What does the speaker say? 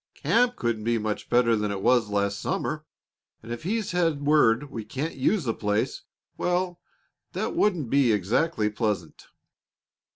"Camp couldn't be much better than it was last summer; and if he's had word we can't use the place well, that wouldn't be exactly pleasant."